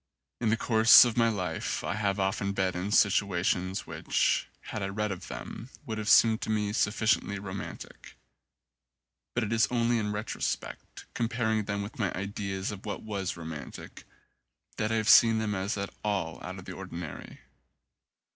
In the course of my life I have been often in situations which, had I read of them, would have seemed to me sufficiently romantic; but it is only in retrospect, comparing them with my ideas of what was romantic, that I have seen them as at all out of the ordinary.